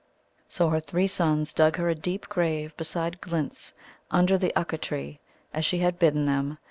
So her three sons dug her a deep grave beside Glint's, under the Ukka tree, as she had bidden them.